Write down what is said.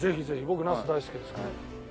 僕なす大好きですから。